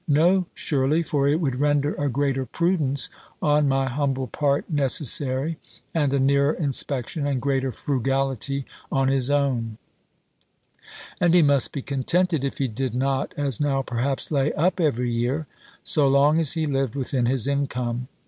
No, surely; for it would render a greater prudence on my humble part necessary, and a nearer inspection, and greater frugality, on his own; and he must be contented (if he did not, as now, perhaps, lay up every year) so long as he lived within his income.